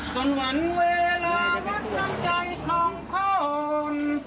ส่วนหวันเวลาวัดน้ำใจของคน